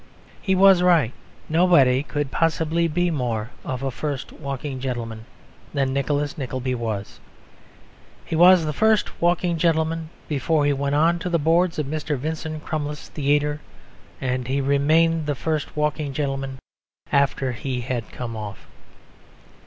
He was right. Nobody could possibly be more of a first walking gentleman than Nicholas Nickleby was. He was the first walking gentleman before he went on to the boards of Mr. Vincent Crummles's theatre, and he remained the first walking gentleman after he had come off.